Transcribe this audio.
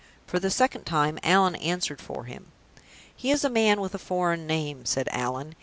For the second time, Allan answered for him. "He is a man with a foreign name," said Allan.